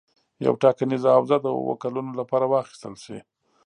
یوه ټاکنیزه حوزه د اووه کلونو لپاره واخیستل شي.